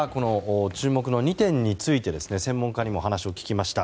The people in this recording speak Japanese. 注目の２点について専門家にも話を聞きました。